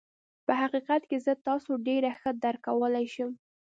په حقيقت کې زه تاسو ډېر ښه درک کولای شم.